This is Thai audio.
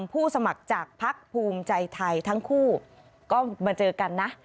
ผู้สมัครจากพักภูมิใจไทยทั้งคู่ก็มาเจอกันนะ